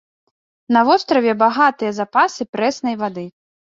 На востраве багатыя запасы прэснай вады.